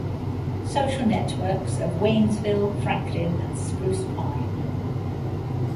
Social networks of Waynesville, Franklin, and Spruce Pine.